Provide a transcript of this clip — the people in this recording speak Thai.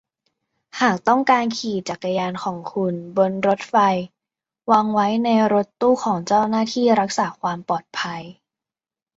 หากต้องการขี่จักรยานของคุณบนรถไฟวางไว้ในรถตู้ของเจ้าหน้าที่รักษาความปลอดภัย